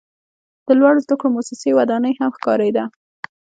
د لوړو زده کړو موسسې ودانۍ هم ښکاریده.